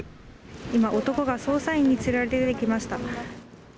今、男が捜査員に連れられて出てきました。